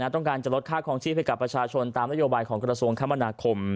ต้องการจะลดค่าครองชีพภายการประชาชนตามระยะบายของกรขมดค